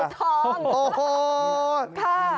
อาจารย์เผ่าทอง